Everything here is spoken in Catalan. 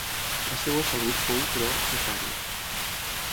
La seva salut fou, però, precària.